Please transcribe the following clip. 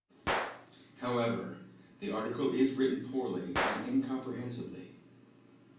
However, the article is written poorly and incomprehensibly.